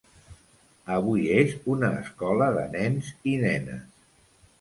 Avui és una escola de nens i nenes.